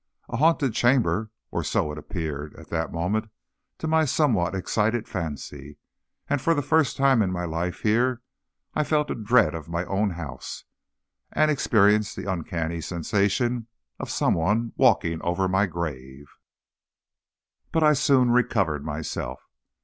A haunted chamber! or so it appeared at that moment to my somewhat excited fancy, and for the first time in my life, here, I felt a dread of my own house, and experienced the uncanny sensation of some one walking over my grave. But I soon recovered myself.